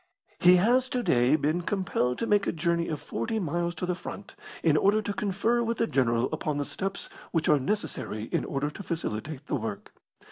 He has to day been compelled to make a journey of forty miles to the front, in order to confer with the general upon the steps which are necessary in order to facilitate the work.